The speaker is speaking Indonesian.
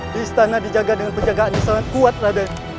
di istana dijaga dengan penjagaan yang sangat kuat